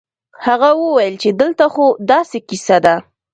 هغه وويل چې دلته خو داسې کيسه ده.